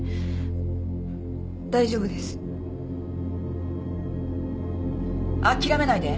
「大丈夫です」「あきらめないで。